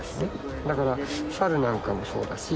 だから猿なんかもそうだし